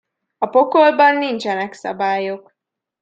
A pokolban nincsenek szabályok!